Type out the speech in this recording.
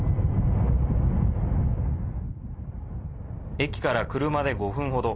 駅から車で５分程。